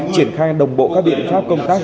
triển khai đồng bộ các biện pháp công tác